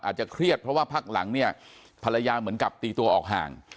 อาจจะเครียดเพราะว่าพักหลังเนี่ยภรรยาเหมือนกับตีตัวออกห่าง